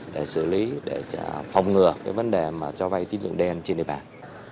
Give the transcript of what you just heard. để xử lý để phòng ngừa vấn đề cho vay tính dụng đen trên địa bàn